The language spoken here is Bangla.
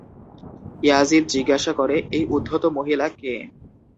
ইয়াজিদ জিজ্ঞাসা করে, "এই উদ্ধত মহিলা কে?"